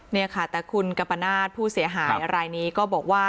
นี่ค่ะแต่คุณกัมปนาศผู้เสียหายรายนี้ก็บอกว่า